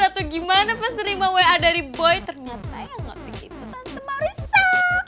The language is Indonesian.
atau gimana pas terima wa dari boy ternyata ya gak begitu tante marisa